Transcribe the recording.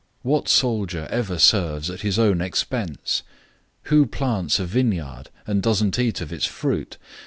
009:007 What soldier ever serves at his own expense? Who plants a vineyard, and doesn't eat of its fruit?